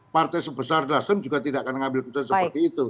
partai sebesar nasdem juga tidak akan mengambil keputusan seperti itu